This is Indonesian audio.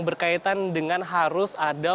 berkaitan dengan harus ada